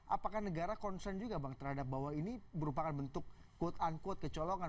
apakah negara concern juga bang terhadap bahwa ini merupakan bentuk quote unquote kecolongan